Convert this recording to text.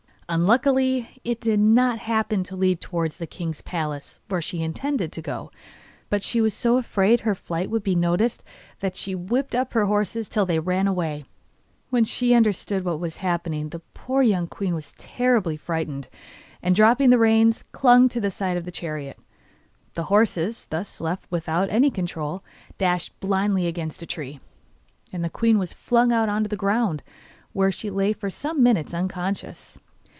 Unluckily, it did not happen to lead towards the king's palace, where she intended to go, but she was so afraid her flight would be noticed that she whipped up her horses till they ran away. When she understood what was happening the poor young queen was terribly frightened, and, dropping the reins, clung to the side of the chariot. The horses, thus left without any control, dashed blindly against a tree, and the queen was flung out on the ground, where she lay for some minutes unconscious.